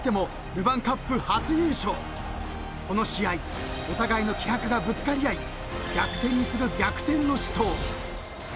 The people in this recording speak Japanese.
［この試合お互いの気迫がぶつかり合い逆転に次ぐ逆転の死闘］